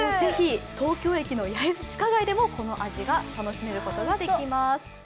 東京駅の八重洲地下街でもこの味が楽しめることができます。